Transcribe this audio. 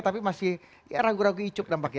tapi masih ragu ragu icuk dampaknya